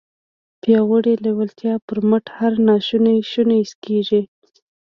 د پياوړې لېوالتیا پر مټ هر ناشونی شونی کېږي.